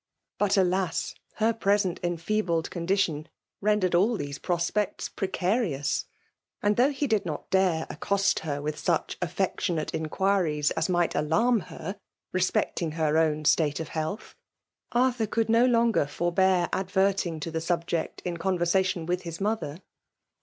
But, alas ! her present enfeebled t^ondation rendered all these prospects pi« .'carious; and though he did not dare ac cost her with such affectionate inquiries as might alarm her respecting her own state of health, Arthur could no longer forbear aA WtaSALE IMttfCNAllOir. 7 verting to the subject inorarefsation With his XQother.